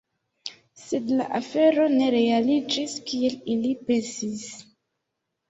Sed, la afero ne realiĝis kiel ili pensis.